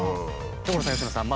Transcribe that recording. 所さん佳乃さん。